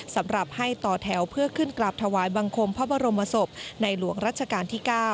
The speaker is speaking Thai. สำหรับให้ต่อแถวเพื่อขึ้นกราบถวายบังคมพระบรมศพในหลวงรัชกาลที่๙